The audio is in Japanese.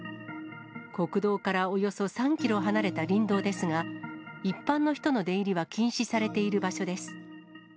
国道からおよそ３キロ離れた林道ですが、一般の人の出入りは禁止されている場所です。